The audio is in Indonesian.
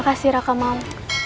kau masih teruk kak nya i